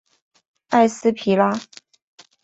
埃斯皮拉。